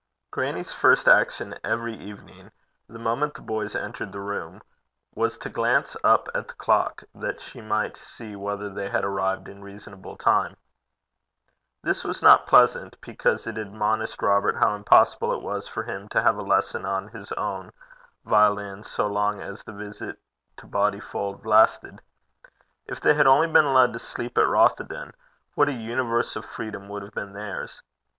Grannie's first action every evening, the moment the boys entered the room, was to glance up at the clock, that she might see whether they had arrived in reasonable time. This was not pleasant, because it admonished Robert how impossible it was for him to have a lesson on his own violin so long as the visit to Bodyfauld lasted. If they had only been allowed to sleep at Rothieden, what a universe of freedom would have been theirs!